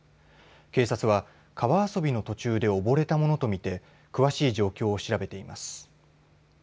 警察は、川遊びの途中で溺れたものと見て詳しい状況を調べています。